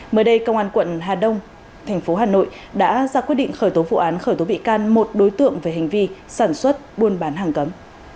mới đây công an quận hà đông thành phố hà nội đã ra quyết định khởi tố vụ án khởi tố bị can một đối tượng về hành vi sản xuất buôn bán hàng cấm